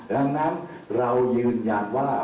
เราก็ยืนยันว่า